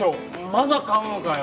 まだ買うのかよ